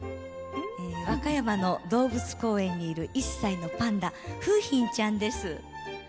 和歌山の動物公園にいる１歳のパンダ楓浜ちゃんです。